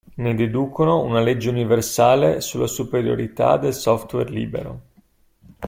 Ne deducono una legge universale sulla superiorità del software libero.